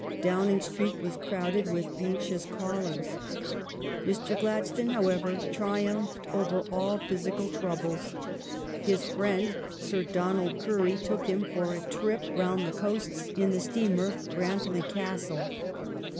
Downing Street was crowded with anxious callers." Mr. Gladstone, how ever, triumphed over all physical troubles. His friend. Sir Don ald Currie, took him for a trip round the coasts sir chaki.u> dilke m the steamer Grantully Castle.